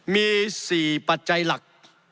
มี๔ปัจจัยหลัก